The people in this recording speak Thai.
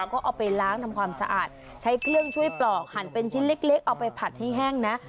ก็เอาไปล้างทำความสะอาดใช้เครื่องช่วยปลอกหั่นเป็นชิ้นเล็กเอาไปผัดให้แห้งนะ